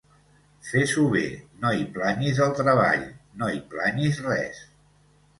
Fes-ho bé: no hi planyis el treball, no hi planyis res.